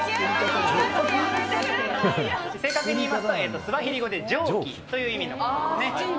正確に言いますと、スワヒリ語で蒸気という意味ですね。